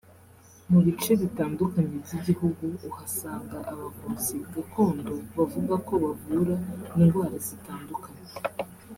Mu bice bitandukanye by’igihugu uhasanga abavuzi gakondo bavuga ko bavura indwara zitandukanye